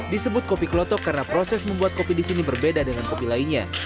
disebut kopi klotok karena proses membuat kopi di sini berbeda dengan kopi lainnya